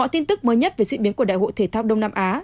tin tức mới nhất về diễn biến của đại hội thể thao đông nam á